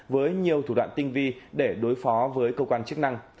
với nhiều thủ đoạn tinh vi để đối phó với cơ quan chức năng